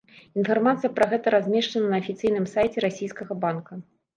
Інфармацыя пра гэта размешчана на афіцыйным сайце расійскага банка.